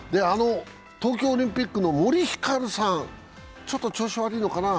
東京オリンピックの森ひかるさん、ちょっと調子悪いのかな。